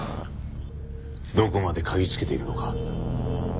どこまで嗅ぎつけているのか。